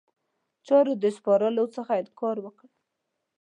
چارو د سپارلو څخه انکار وکړ.